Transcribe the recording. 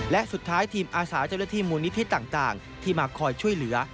และสุดท้ายทีมอาสาเจ้าหน้าที่มูลนิธิต่างที่มาคอยช่วยเหลือ